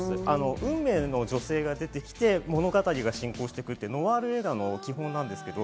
運命の女性が出てきて、物語が進行していくノワール映画の基本です。